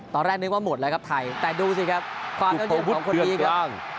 ตอนแรกนึกว่าหมดแล้วครับไทยแต่ดูสิครับฟางวุฒิคนนี้ครับ